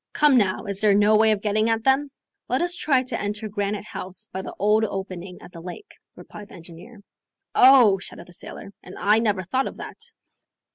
Come now, is there no way of getting at them?" "Let us try to enter Granite House by the old opening at the lake," replied the engineer. "Oh!" shouted the sailor, "and I never thought of that."